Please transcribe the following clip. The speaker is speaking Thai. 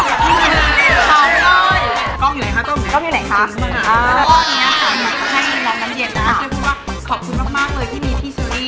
มาคิดว่าขอบคุณมากเลยที่มีพี่เช่ลี่